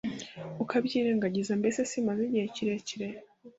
Ukabyirengagiza mbese simaze igihe kirekire